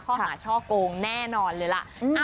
ข้อหาช่อโกงแน่นอนเลยล่ะ